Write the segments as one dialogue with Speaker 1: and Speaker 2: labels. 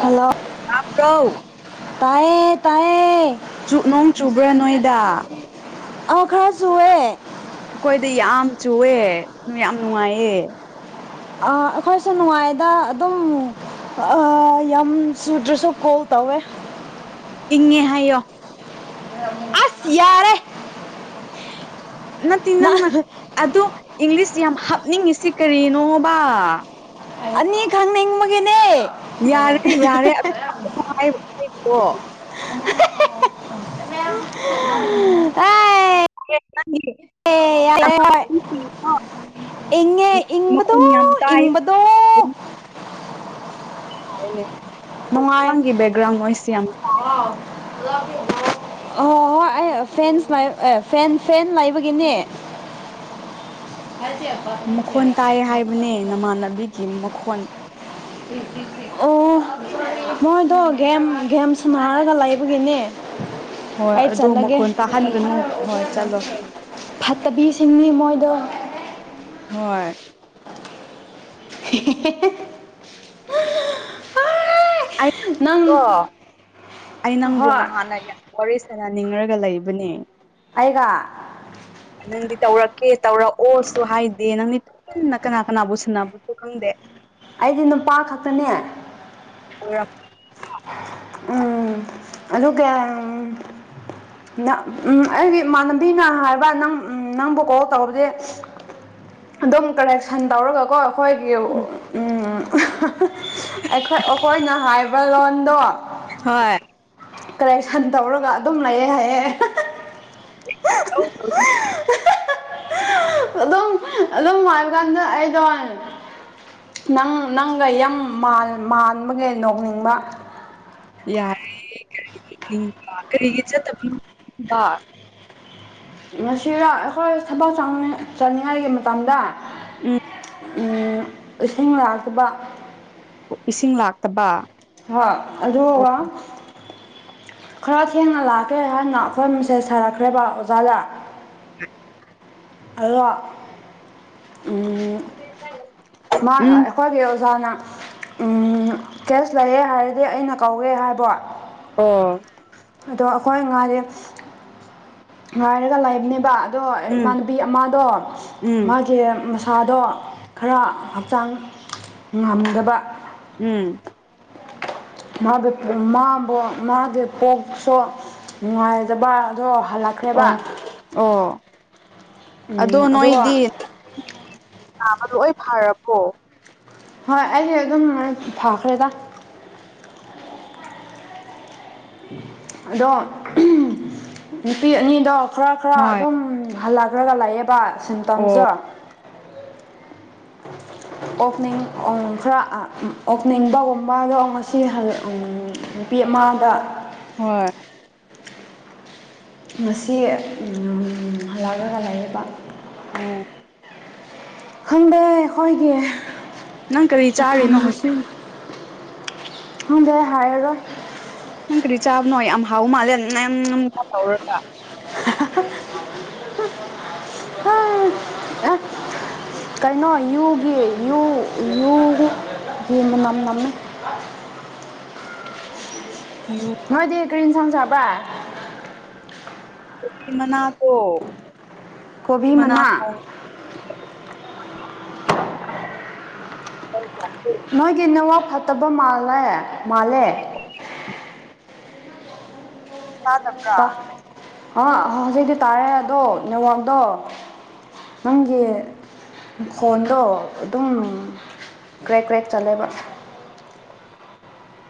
Speaker 1: hello
Speaker 2: ꯭ꯔꯣ
Speaker 1: [unintelligible] ꯇꯥꯏꯌꯦ ꯇꯥꯏꯌꯦ
Speaker 2: [unintelligible] ꯅꫭꯡ ꯆꯨꯕ꯭ꯔ ꯅꯣꯏꯗ
Speaker 1: ꯑ ꯈꯔ ꯆꯨꯋꯦ
Speaker 2: ꯑꯩꯈꯣꯏꯗꯤ ꯌꯥꯝ ꯆꯨꯋꯦ ꯅꯣꯏ ꯌꯥꯝ ꯅꯨꯡꯉꯥꯏꯌꯦ
Speaker 1: ꯑꯥ ꯑꯈꯣꯏꯁꯨ ꯅꯨꯡꯉꯥꯏꯗ ꯑꯗꯨꯝ ꯑꯥ ꯌꯥꯝ ꯆꯨꯗ꯭ꯔꯁꯨ ꯀꯣꯜ ꯇꯧꯋꯦ
Speaker 2: ꯏꯪꯉꯦ ꯍꯥꯏꯌꯣ
Speaker 1: ꯑꯥꯁ ꯌꯥꯔꯦ
Speaker 2: ꯅꯠꯇꯦ
Speaker 1: ꯅꯪ
Speaker 2: ꯅꯪꯅ ꯑꯗꯣ ꯏꯪꯂꯤꯁ ꯌꯥꯝ ꯍꯥꯞꯅꯤꯡꯉꯤꯁꯤ ꯀꯔꯤꯅꯣꯕꯥ
Speaker 1: ꯑꯅꯤ ꯈꯪꯅꯤꯡꯕꯒꯤꯅꯦ
Speaker 2: ꯌꯥꯔꯦ ꯌꯥꯔꯦ ꯑꯃ [unintelligible]
Speaker 1: ꯍꯦꯍꯦ [unintelligible]
Speaker 2: [unintelligible]
Speaker 1: ꯑꯦ ꯌꯥꯏ ꯑꯦ ꯌꯥꯏ
Speaker 2: ꯅꯃꯥꯟꯅꯕꯤꯁꯤꯡꯗꯣ
Speaker 1: ꯏꯪꯉꯦ ꯏꯪꯕꯗꯣ
Speaker 2: ꯃꯈꯣꯟ ꯌꯥꯝ ꯇꯥꯏ
Speaker 1: ꯏꯪꯕꯗꯣ
Speaker 2: [unintelligible]
Speaker 1: ꯅꯨꯡꯉꯥꯏ
Speaker 2: ꯅꯪꯒꯤ ꯕꯦꯛꯒ꯭ꯔꯥꯎꯟ ꯅꯣꯏꯁꯦ ꯌꯥꯝ [unintelligible]
Speaker 1: [unintelligible] ꯑꯣ ꯑꯣ ꯍꯣꯏ ꯑꯩ ꯐꯦꯟꯁ ꯂꯩ ꯐꯦꯟ ꯐꯦꯟ ꯂꯩꯕꯒꯤꯅꯦ
Speaker 2: ꯃꯈꯣꯟ ꯇꯥꯏ ꯍꯥꯏꯕꯅꯦ ꯅꯃꯥꯟꯅꯕꯤꯒꯤ ꯃꯈꯣꯟ
Speaker 1: ꯑꯣ [unintelligible] ꯃꯣꯏꯗꯣ ꯒꯦꯝ ꯒꯦꯝ ꯁꯥꯟꯅꯔꯒ ꯂꯩꯕꯒꯤꯅꯦ
Speaker 2: ꯍꯣꯏ
Speaker 1: ꯑꯩ
Speaker 2: ꯑꯗꯣ
Speaker 1: ꯆꯠꯂꯒꯦ
Speaker 2: ꯃꯈꯣꯟ ꯇꯥꯍꯟꯒꯅꯨ ꯍꯣꯏ ꯆꯠꯂꯣ
Speaker 1: [unintelligible] ꯐꯠꯇꯕꯤꯁꯤꯡꯅꯤ ꯃꯣꯏꯗꯣ
Speaker 2: ꯍꯣꯏ
Speaker 1: [unintelligible] ꯅꯪ
Speaker 2: ꯑꯩꯅꯀꯣ ꯑꯩ ꯅꯪꯕꯨ
Speaker 1: ꯍꯣꯏ
Speaker 2: ꯅꯍꯥꯟꯅ ꯌꯥꯝ ꯋꯥꯔꯤ ꯁꯥꯅꯅꯤꯡꯔꯒ ꯂꯩꯕꯅꯦ
Speaker 1: ꯑꯩꯒ
Speaker 2: ꯅꯪꯗꯤ ꯇꯧꯔꯛꯀꯦ ꯇꯧꯔꯑꯣꯁꯨ ꯍꯥꯏꯗꯦ ꯅꯪꯗꯤ ꯄꯨꯟꯅ ꯀꯅꯥ ꯀꯅꯥꯕꯨ ꯁꯥꯟꯅꯕꯅꯣ ꯈꯪꯗꯦ
Speaker 1: ꯑꯩꯗꯤ ꯅꯨꯄꯥ ꯈꯇꯅꯦ
Speaker 2: ꯑꫭꯏꯔꯝ [unintelligible]
Speaker 1: ꯎꯝ ꯑꯗꯨ ꯀꯌꯥꯝ [unintelligible] ꯎꯝ ꯑꯩꯒꯤ ꯏꯃꯥꯟꯅꯕꯤꯅ ꯍꯥꯏꯕ ꯅꯪ ꯅꯪꯕꯨ ꯀꯣꯜ ꯇꯧꯕꯗꯤ ꯑꯗꯨꯝ ꯀꯂꯦꯛꯁꯟ ꯇꯧꯔꯒꯀꯣ ꯑꯈꯣꯏꯒꯤ ꯎꯝ [unintelligible] ꯑꯈꯣꯏꯅ ꯍꯥꯏꯕ ꯂꯣꯟꯗꯣ
Speaker 2: ꯍꯣꯏ
Speaker 1: ꯀꯔꯦꯛꯁꯟ ꯇꯧꯔꯒ ꯑꯗꯨꯝ ꯂꯩꯌꯦ ꯍꯥꯏꯌꯦ
Speaker 2: [unintelligible]
Speaker 1: [unintelligible] ꯑꯗꯨꯝ ꯑꯗꯨꯝ ꯍꯥꯏꯕ ꯀꯥꯟꯗ ꯑꯩꯗꯣ ꯅꯪ ꯅꯪꯒ ꯌꯥꯝ ꯃꯥꯟ ꯃꯥꯟꯕꯒꯤ ꯅꯣꯛꯅꯤꯡꯕ
Speaker 2: ꯌꯥꯔꯦ ꯀꯔꯤ ꯅꫭꯛꯅꯤꯡꯕ ꯀꯔꯤꯒꯤ ꯆꯠꯇꯕꯅꯣꯕ
Speaker 1: ꯉꯁꯤꯔꯣ ꯑꯩꯈꯣꯏ ꯊꯕꯛ [unintelligible] ꯆꯠꯅꯤꯡꯉꯥꯏꯒꯤ ꯃꯇꯝꯗ
Speaker 2: ꯎꯝ
Speaker 1: ꯎꯝ ꯏꯁꯤꯡ ꯂꯥꯛꯇꯕ
Speaker 2: ꯏꯁꯤꯡ ꯂꯥꯛꯇꯕ
Speaker 1: ꯍꯣꯏ
Speaker 2: ꯑꯣ
Speaker 1: ꯑꯗꯨꯒ ꯈꯔ ꯊꯦꯡꯅ ꯂꯥꯛꯀꯦ ꯍꯥꯏꯅ ꯑꯈꯣꯏ ꯃꯦꯁꯦꯁ ꯊꯥꯔꯛꯈ꯭ꯔꯦꯕ ꯑꯣꯖꯥꯗ ꯍꯜꯂꯣ
Speaker 2: [unintelligible]
Speaker 1: ꯃꯥ
Speaker 2: ꯎꯝ
Speaker 1: ꯑꯩꯈꯣꯏꯒꯤ ꯑꯣꯖꯥꯅ ꯎꯝ ꯀꯦꯁ ꯂꯩꯌꯦ ꯍꯥꯏꯔꯗꯤ ꯑꯩꯅ ꯀꯧꯋꯦ ꯍꯥꯏꯕ
Speaker 2: ꯑꯣ
Speaker 1: ꯑꯗꯣ ꯑꯩꯈꯣꯏ ꯉꯥꯏꯗꯤ ꯉꯥꯏꯔꯒ ꯂꯩꯕꯅꯦꯕ ꯑꯗꯣ
Speaker 2: ꯎꯝ
Speaker 1: ꯏꯃꯥꯟꯅꯕꯤ ꯑꯃꯗꯣ
Speaker 2: ꯎꯝ
Speaker 1: ꯃꯥꯒꯤ ꯃꯁꯥꯗꯣ ꯈꯔ ꯍꯛꯆꯥꯡ ꯉꯝꯗꯕ
Speaker 2: ꯎꯝ
Speaker 1: ꯃꯥꯒꯤ ꯃꯥꯕꯨ ꯃꯥꯒꯤ ꯄꯣꯛꯁꯨ ꯅꯨꯡꯉꯥꯏꯗꯕ ꯑꯗꯣ ꯍꯜꯂꯛꯈ꯭ꯔꯦꯕ
Speaker 2: ꯑꯣ ꯑꯣ ꯑꯗꯣ
Speaker 1: ꯑꯗꯨꯒ
Speaker 2: ꯅꯣꯏꯗꯤ ꯅꯥꯕ ꯂꯣꯏ ꯐꯔꯕꯣ
Speaker 1: ꯍꯣꯏ ꯑꯩꯗꯤ ꯑꯗꯨꯝ ꯐꯈ꯭ꯔꯦꯗ ꯑꯗꯣ [unintelligible] ꯅꯨꯄꯤ ꯑꯅꯤꯗꯣ ꯈꯔ ꯈꯔ
Speaker 2: ꯍꯣꯏ
Speaker 1: ꯑꯗꯨꯝ ꯍꯜꯂꯛꯔꯒ ꯂꯩꯌꯦꯕ
Speaker 2: ꯑꯣ
Speaker 1: ꯁꯤꯝꯇꯝꯁꯗꯣ ꯑꯣꯛꯅꯤꯡ ꯑꯣꯡ ꯈꯔ ꯑꯣꯛꯅꯤꯡꯕꯒꯨꯝꯕꯗꯣ ꯉꯁꯤ ꯍꯜꯂ ꯎꯝ ꯅꯨꯄꯤ ꯑꯃꯗ
Speaker 2: ꯍꯣꯏ
Speaker 1: ꯉꯁꯤ ꯎꯝ ꯍꯜꯂꯛꯔꯒ ꯂꯩꯌꯦꯕ
Speaker 2: ꯑꯣ
Speaker 1: ꯈꯪꯗꯦ ꯑꯩꯈꯣꯏꯒꯤ
Speaker 2: ꯅꯪ ꯀꯔꯤ ꯆꯥꯔꯤꯅꯣ ꯍꯧ
Speaker 1: ꯑꯊꯝꯕꯁꯨ ꯈꯪꯗꯦ ꯍꯥꯏꯔꯔꯣꯢ
Speaker 2: ꯅꯪ ꯀꯔꯤ ꯍꯧꯔꯒ
Speaker 1: ꯍꯥ ꯍꯥ ꯍꯥ [unintelligible] ꯍꯥ ꯀꯩꯅꯣ ꯌꯨꯒꯤ ꯌꯨ ꯌꯨ‌ [unintelligible] ꯌꯨ ꯃꯅꯝ ꯅꯝꯃꯦ
Speaker 2: ꯌꯨ
Speaker 1: ꯅꯣꯏꯗꯤ ꯀꯔꯤ ꯏꯟꯁꯥꯡ ꯆꯥꯕ
Speaker 2: ꯀꯣꯕꯤ ꯃꯅꯥꯗꯣ ꯀꯣꯕꯤ ꯃꯅꯥ ꯊꯣꯡꯉꯦ ꯂꯥꯛꯄ
Speaker 1: ꯅꯣꯏꯒꯤ ꯅꯋꯥ ꯐꯠꯇꯕ ꯃꯥꯜꯂꯦ ꯃꯥꯜꯂꯦ
Speaker 2: ꯇꯥꯗꯕ꯭ꯔ
Speaker 1: ꯑꫭ ꯍꯧꯖꯤꯛꯇꯤ ꯇꯥꯔꯦ ꯑꯗꯣ ꯅꯦꯠꯋꯥꯛꯗꯣ ꯅꯪꯒꯤ ꯃꯈꫭꯟꯗꯣ ꯑꯗꯨꯝ ꯀ꯭ꯔꯦꯛ ꯀ꯭ꯔꯦꯛ ꯆꯠꯂꯦꯕ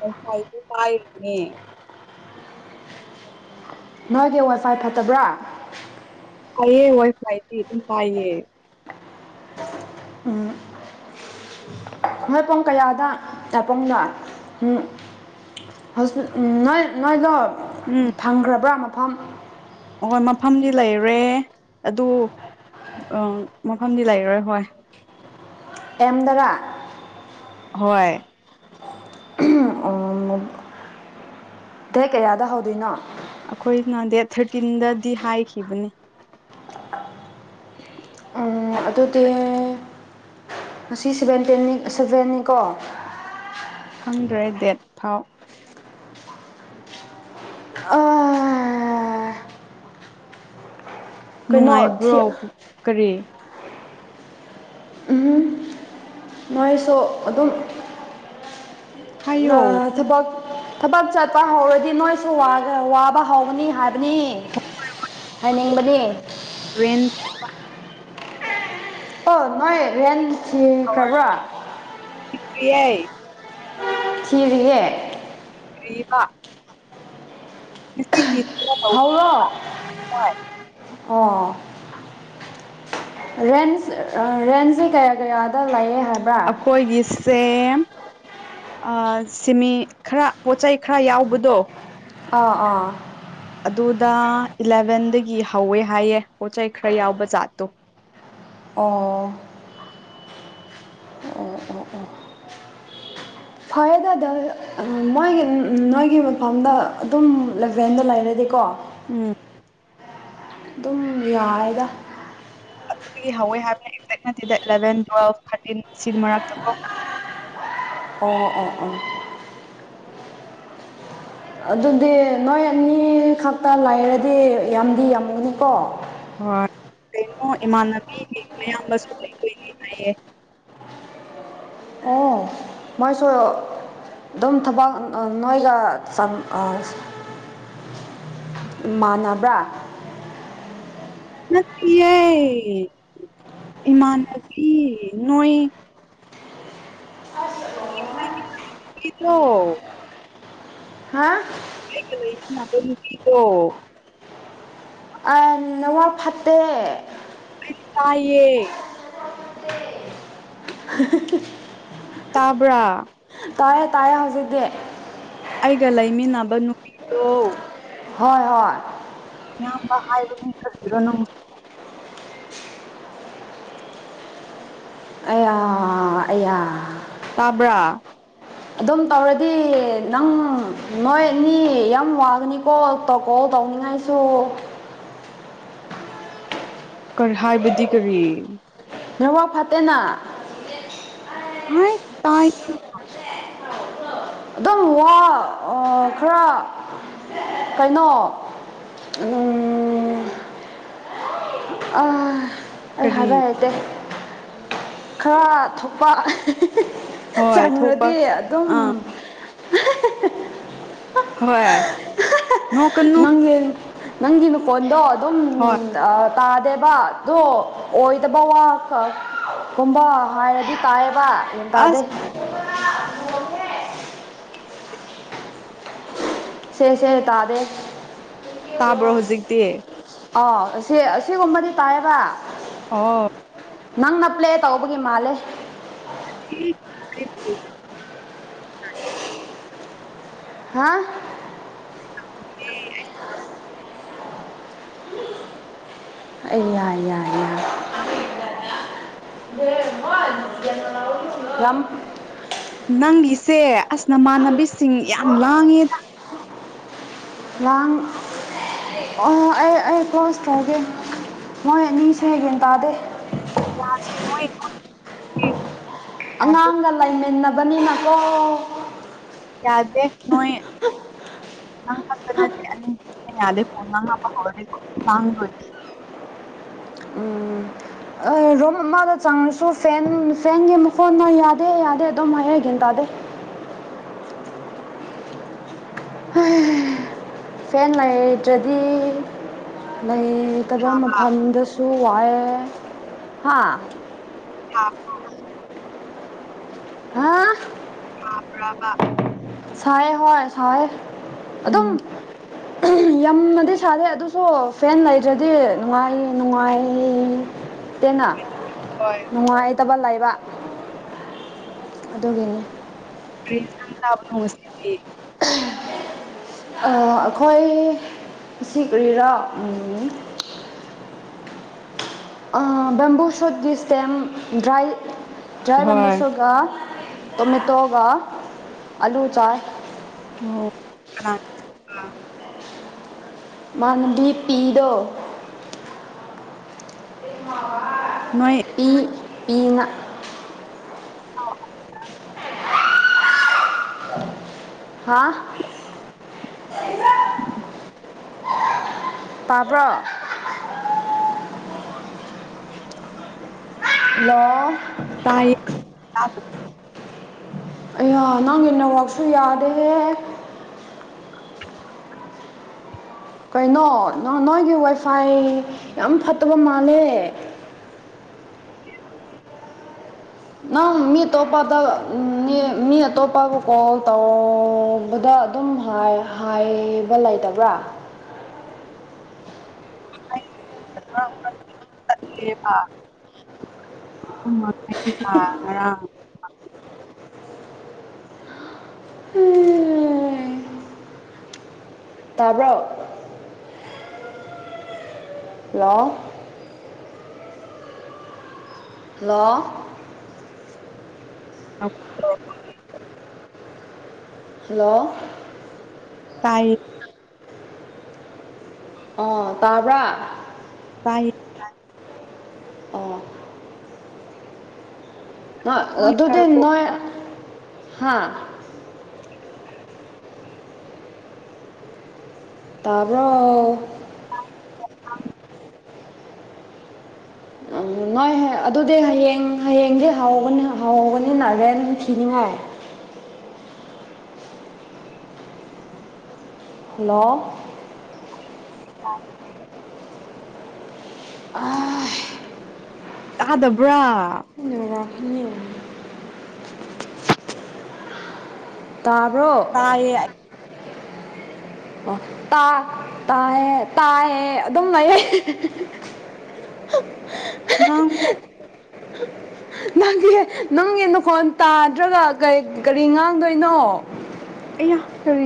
Speaker 2: [unintelligible] ꯄꯥꯏꯔꯤꯅꯦ
Speaker 1: ꯅꯣꯏꯒꯤ ꯋꯥꯏ ꯐꯥꯏ ꯐꯠꯇꯕ꯭ꯔꯥ
Speaker 2: ꯐꯩꯌꯦ ꯋꯥꯏ ꯐꯥꯏꯗꯤ ꯑꯗꯨꯝ ꯄꯥꯏꯌꯦ
Speaker 1: ꯎꯝ ꯅꯣꯏ ꯄꯨꯡ ꯀꯌꯥꯗ ꯑꯦꯄꯨꯡꯅꫭ [unintelligible] ꯍꯧꯖꯤꯛ ꯅꯣꯏ ꯅꯣꯏꯗꯣ
Speaker 2: ꯎꯝ
Speaker 1: ꯐꯪꯈ꯭ꯔꯕ꯭ꯔ ꯃꯐꯝ
Speaker 2: ꯍꯣꯏ ꯃꯐꯝꯗꯤ ꯂꯩꯔꯦ ꯑꯗꯨ ꯑ ꯃꯐꯝꯗꯤ ꯂꯩꯔꫭꯏ ꯍꯣꯏ
Speaker 1: ꯑꯦꯝ ꯗꯔ
Speaker 2: ꯍꯣꯏ
Speaker 1: [unintelligible] ꯗꯦꯠ ꯀꯌꯥꯗ ꯍꯧꯗꯣꯏꯅꯣ
Speaker 2: ꯑꯈꯣꯏꯅ ꯗꯦꯠ ꯊꯥꯔ ꯇꯤꯟꯗꯗꯤ ꯍꯥꯏꯈꯤꯕꯅꯤ‌ ꯍꫭꯏ
Speaker 1: ꯑꯗꯨꯗꯤ ꯉꯁꯤ ꯁꯕꯦꯟꯇꯤꯟꯅꯤ ꯁꯕꯦꯟ ꯅꯤꯀꯣ
Speaker 2: ꯈꯪꯗ꯭ꯔꯦ ꯗꯦꯠ ꯐꯥꯎ
Speaker 1: ꯑꯥ
Speaker 2: ꯅꯨꯡꯉꯥꯏꯕ꯭ꯔꯣ ꯄꯨ ꯀꯔꯤ
Speaker 1: ꯎꯝ ꯅꯣꯏꯁꯨ ꯑꯗꯨꯝ ꯑ
Speaker 2: ꯍꯥꯏꯌꯣ
Speaker 1: ꯊꯕꯛ ꯊꯕꯛ ꯆꯠꯄ ꯍꯧꯔꯗꯤ ꯅꯣꯏꯁꯨ ꯋꯥꯒ ꯋꯥꯕ ꯍꯧꯒꯅꯤ ꯍꯥꯏꯕꯅꯤ ꯍꯥꯏꯅꯤꯡꯕꯅꯤ
Speaker 2: ꯔꯦꯟ
Speaker 1: ꯑꯣ ꯅꯣꯏ ꯔꯦꯟ ꯊꯤꯈ꯭ꯔꯕ꯭ꯔꯥ
Speaker 2: ꯌꯦ
Speaker 1: ꯊꯤꯔꯤꯌꯦ
Speaker 2: ꯀꯔꯤꯔꯥ [unintelligible]
Speaker 1: ꯑꫭ ꯔꯦꯟꯁ ꯔꯦꯟꯁꯖꯦ ꯀꯌꯥ ꯀꯌꯥꯗ ꯂꯩꯌꯦ ꯍꯥꯏꯕ꯭ꯔꯥ
Speaker 2: ꯑꯈꯣꯏꯒꯤ ꯁꯦ ꯑ ꯁꯤꯃꯤ ꯈꯔ ꯄꯣꯠꯆꯩ ꯈꯔ ꯌꯥꯎꯕꯗꯣ
Speaker 1: ꯑꯥ ꯑꯥ
Speaker 2: ꯑꯗꯨꯗ ꯏꯂꯚꯦꯟꯗꯒꯤ ꯍꯧꯋꯦ ꯍꯥꯏꯌꯦ ꯄꯣꯠꯆꯩ ꯈꯔ ꯌꯥꯎꯕ ꯖꯥꯠꯇꯣ
Speaker 1: ꯑꯣ ꯑꯣ ꯑꯣ ꯑꯣ [unintelligible] ꯐꯔꯦ [unintelligible] ꯃꯣꯏꯒꯤ ꯅꯣꯏꯒꯤ ꯃꯐꯝꯗ ꯑꯗꯨꯝ ꯂꯕꯦꯟꯗ ꯂꯩꯔꯗꯤꯀꯣ
Speaker 2: ꯎꯝ
Speaker 1: ꯑꯗꯨꯝ ꯌꯥꯔꯦꯗ
Speaker 2: ꯑꯗꯨꯗꯒꯤ ꯍꯧꯋꯦ ꯍꯥꯏꯕꯅꯦ ꯑꯦꯛꯖꯦꯛ ꯅꯠꯇꯦꯗ ꯑꯦꯂꯚꯦꯟ ꯇꯨꯋꯦꯜꯞ ꯊꯥꯔꯇꯤꯟ ꯁꯤ ꯃꯔꯛꯇ ꯀꯣ
Speaker 1: [unintelligible] ꯑꯣ ꯑꯣ ꯑꯣ ꯑꯗꯨꯗꯤ ꯅꯣꯏ ꯑꯅꯤ ꯈꯛꯇ ꯂꯩꯥꯔꯗꯤ ꯌꯥꯝꯗꯤ ꯌꯥꯝꯒꯅꯤꯀꯣ
Speaker 2: ꯍꯣꯏ ꯀꯩꯅꯣ ꯏꯃꯥꯟꯅꯕꯤꯒꯤ ꯃꯌꯥꯝꯕꯖꯨ ꯂꯩꯗꫭꯏꯅꯦ ꯍꯥꯏꯌꯦ
Speaker 1: ꯑꯣ ꯃꯣꯏꯁꯨ ꯑꯗꯨꯝ ꯊꯕꯛ ꯑ ꯅꯣꯏꯒ ꯆꯪ ꯑꯁ ꯃꯥꯟꯅꯕ꯭ꯔ
Speaker 2: ꯅꯠꯇꯤꯌꯦ ꯏꯃꯥꯟꯅꯕꯤ ꯅꯣꯏ
Speaker 1: [inaudible]
Speaker 2: [unintelligible]
Speaker 1: ꯍꯥ
Speaker 2: ꯑꯩꯒ‌ ꯂꯩꯃꯤꯟꯅꯕ ꯅꯨꯄꯤꯗꫭ
Speaker 1: ꯑꯥ ꯅꯋꯥ ꯐꯠꯇꯦ
Speaker 2: ꯑꯩ ꯇꯥꯏꯌꯦ
Speaker 1: [unintelligible]
Speaker 2: ꯇꯥꯕ꯭ꯔ
Speaker 1: ꯇꯥꯔꯦ ꯇꯥꯔꯦ ꯍꯧꯖꯤꯛꯇꯤ
Speaker 2: ꯑꯩꯒ ꯂꯩꯃꯤꯟꯅꯕ ꯅꯨꯄꯤꯗꯣ
Speaker 1: ꯍꯣꯏ ꯍꯣꯏ
Speaker 2: ꯃꯌꯥꯝꯕ ꯍꯥꯏꯕꯅꯤ [unintelligible]
Speaker 1: ꯑꯌꯥ ꯑꯌꯥ
Speaker 2: ꯇꯥꯕ꯭ꯔ
Speaker 1: ꯑꯗꯨꯝ ꯇꯧꯔꯗꯤ ꯅꯪ ꯅꯣꯏꯅꯤ ꯌꯥꯝ ꯋꯥꯒꯅꯤꯀꯣ ꯇꯣꯛꯑꫭ ꯀꯥꯎꯅꯤꯡꯉꯥꯏꯁꯨ
Speaker 2: ꯀꯔꯤ ꯍꯥꯏꯕꯗꯤ ꯀꯔꯤ
Speaker 1: ꯅꯋꯥ ꯐꯠꯇꯦꯅ
Speaker 2: ꯍꯥꯏ ꯇꯥꯏ
Speaker 1: ꯑꯗꯨꯝ ꯋꯥ ꯑ ꯈꯔ ꯀꯩꯅꯣ [inaudible] ꯑ ꯑꯩ
Speaker 2: ꯀꯔꯤ
Speaker 1: ꯍꯥꯢꯕ ꯍꯩꯇꯦ ꯈꯔ ꯊꯣꯛꯄ
Speaker 2: ꯍꯣꯏ ꯊꯣꯛꯄ
Speaker 1: ꯆꯪꯔꯗꯤ ꯑꯗꯨꯝ
Speaker 2: ꯑꯥ
Speaker 1: [inaudible]
Speaker 2: ꯍꯣꯏ ꯅꯣꯛꯀꯅꯨ
Speaker 1: ꯅꯪꯒꯤ ꯅꯪꯒꯤ ꯃꯈꯣꯟꯗꯣ ꯑꯗꯨꯝ
Speaker 2: ꯍꯣꯏ
Speaker 1: ꯑ ꯇꯥꯗꯦꯕꯗꯣ ꯑꯣꯏꯗꯕ ꯋꯥ ꯀꯨꯝꯕ ꯍꯥꯏꯔꯗꯤ ꯇꯥꯏꯌꯦ ꯕ ꯕ ꯒ꯭ꯌꯥꯟ ꯇꯥꯗꯦ
Speaker 2: ꯑꯁ
Speaker 1: ꯁꯦ ꯁꯦ ꯇꯥꯗꯦ
Speaker 2: ꯇꯥꯕ꯭ꯔꯣ ꯍꯧꯖꯤꯛꯇꯤ
Speaker 1: ꯑ ꯑꯁꯤ ꯑꯁꯤꯒꯨꯝꯕꯗꯤ ꯇꯥꯏꯌꯦꯕ
Speaker 2: ꯑꯣ
Speaker 1: ꯅꯪꯅ ꯄ꯭ꯂꯦ ꯇꯧꯕꯒꯤ ꯃꯥꯜꯂꯦ
Speaker 2: [inaudible]
Speaker 1: ꯍꯥ
Speaker 2: [unintelligible]
Speaker 1: ꯑꯩ ꯌꯥ ꯌꯥꯢꯅ [unintelligible]
Speaker 2: ꯅꯪꯒꯤꯁꯦ ꯑꯁ ꯅꯃꯥꯟꯅꯕꯤꯁꯤꯡ ꯌꯥꯝ ꯂꯥꯡꯉꯦꯗ
Speaker 1: ꯂꯥꯡ ꯑꯣ ꯑꯩ ꯑꯩ ꯀ꯭ꯂꯣꯖ ꯇꯧꯒꯦ ꯃꯣꯏ ꯑꯅꯤꯁꯦ ꯒ꯭ꯌꯥꯟ ꯇꯥꯗꯦ
Speaker 2: [unintelligible]
Speaker 1: ꯑꯉꯥꯡꯒ ꯂꯩꯃꯤꯟꯅꯕꯅꯤꯅꯀꯣ
Speaker 2: ꯌꯥꯗꯦ ꯅꯣꯏ ꯅꯪ ꯈꯛꯇ ꯅꯠꯇꯦ [unintelligible]
Speaker 1: [inaudible] ꯎꯝ ꯑ ꯔꯨꯝ ꯑꯃꯗ ꯆꯪꯉꯁꯨ ꯐꯦꯟ ꯐꯦꯟꯒꯤ ꯃꯈꯣꯟꯅ ꯌꯥꯗꯦ ꯌꯥꯗꯦ ꯑꯗꯨꯝ ꯍꯥꯏꯌꯦ ꯒ꯭ꯌꯥꯟ ꯇꯥꯗꯦ [inaudible] ꯐꯦꯟ ꯂꯩꯥꯇ꯭ꯔꯗꯤ ꯂꯩꯇꯕ ꯃꯐꯝꯗꯁꯨ ꯋꯥꯌꯦ ꯍꯥ
Speaker 2: [unintelligible]
Speaker 1: ꯍꯥꯥ
Speaker 2: [unintelligible]
Speaker 1: ꯁꯥꯏꯌꯦ ꯍꯣꯏ ꯁꯥꯏꯌꯦ ꯑꯗꯨꯝ
Speaker 2: ꯎꯝ
Speaker 1: ꯌꯝꯅꯗꯤ ꯁꯥꯗꯦ ꯑꯗꯨꯁꯨ ꯐꯦꯟ ꯂꯩꯗ꯭ꯔꯗꯤ ꯅꯨꯡꯉꯥꯏꯌꯦ ꯅꯨꯡꯉꯥꯏꯌꯦ ꯇꯦꯅ
Speaker 2: ꯍꯣꯏ
Speaker 1: ꯅꯨꯡꯉꯥꯏꯇꯕ ꯂꯩ ꯕ ꯑꯗꯨꯒꯤꯅꯤ
Speaker 2: ꯀ꯭ꯔꯤ ꯏꯟꯁꯥꯡ ꯆꯥꯕꯅꯣ ꯉꯁꯤ [unintelligible]
Speaker 1: [inaudible] ꯑ ꯑꯈꯣꯏ ꯉꯁꯤ ꯀꯔꯤꯔꯥ ꯎꯝ INAUDIBLE UNINTELLIGIBLE ꯇꯣꯃꯦꯇꯣꯒ
Speaker 2: ꯍꯣꯏ
Speaker 1: ꯑꯂꯨ ꯆꯥꯏ
Speaker 2: INAUDIBLE
Speaker 1: ꯃꯥꯅꯗꯤ ꯄꯤꯗꯣ INAUDIBLE
Speaker 2: ꯅꯣꯏ
Speaker 1: UNINTELLIGIBLE
Speaker 2: INAUDIBLE
Speaker 1: INAUDIBLE INAUDIBLE
Speaker 2: INAUDIBLE
Speaker 1: INAUDIBLE INAUDIBLE
Speaker 2: ꯇꯥꯏꯌꯦ
Speaker 1: ꯑꯩꯌꯥ ꯅꯪꯒꯤ ꯅꯦꯠꯋꯥꯛꯁꯨ ꯌꯥꯗꯦꯍꯦ ꯀꯩꯅꯣ ꯅꯣ ꯅꯣꯏꯒꯤ ꯋꯥꯏꯐꯥꯏ ꯌꯥꯝ ꯐꯠꯇꯕꯃꯥꯜꯂꯦ INAUDIBLE ꯅꯪ ꯃꯤ ꯇꯣꯞꯄꯗ ꯃꯤ ꯑꯇꯣꯞꯄꯒ ꯀꯣꯜ ꯇꯧ ꯕꯗ ꯑꯗꯨꯝ ꯍꯥꯏ ꯍꯥꯏ ꯕ ꯂꯩꯇꯕ꯭ꯔꯥ
Speaker 2: INAUDIBLE INAUDIBLE
Speaker 1: ꯇꯥ ꯕ꯭ꯔꯣ INAUDIBLE ꯍꯜꯂꯣ ꯑꯣ
Speaker 2: INAUDIBLE
Speaker 1: ꯍꯜꯂꯣꯑꯣ
Speaker 2: ꯇꯥꯏꯌꯦ
Speaker 1: ꯑꯣꯑꯣ ꯇꯥꯕ꯭ꯔꯥ
Speaker 2: ꯇꯥꯢꯌꯦ ꯇꯥꯏꯌꯦ
Speaker 1: ꯑꯣꯑꯣ ꯍꯣꯢ
Speaker 2: ꯅꯣꯏ
Speaker 1: ꯑꯗꯨꯗꯤ
Speaker 2: ꯇꯥꯔꯕꯣ
Speaker 1: ꯅꯣꯏ ꯍꯥꯥ ꯇꯥꯕ꯭ꯔꯣꯑꯣ ꯎꯪꯎꯪ ꯅꯣꯏ ꯑꯗꯨꯗꯤ ꯍꯌꯦꯡ ꯍꯌꯦꯡꯗꯩ ꯍꯧꯕꯅꯤ ꯍꯧꯕꯅꯤꯅ ꯔꯦꯟꯊꯤꯅꯤꯡꯉꯣꯏ INAUDIBLE ꯍꯥꯜꯂꯣ
Speaker 2: INAUDIBLE
Speaker 1: INAUDIBLE
Speaker 2: ꯇꯥꯗꯥꯕ꯭ꯔꯥ
Speaker 1: INAUDIBLE ꯇꯥ ꯕ꯭ꯔꯣ
Speaker 2: ꯇꯥꯏꯌꯦ ꯑꯩ
Speaker 1: ꯑꯣ ꯇꯥ ꯇꯥꯏ ꯇꯥꯏꯌꯦ ꯑꯗꯨꯝ ꯂꯩꯌꯦ INAUDIBLE
Speaker 2: UNINTELLIGIBLE
Speaker 1: INAUDIBLE ꯅꯪꯒꯤ ꯅꯪꯒꯤ ꯅꯥꯈꯣꯟ ꯇꯥꯗ꯭ꯔꯒꯥ ꯀꯩ ꯀꯔꯤ ꯉꯥꯡꯗꯣꯏꯅꯣ
Speaker 2: ꯑꯌꯥ ꯀꯔꯤ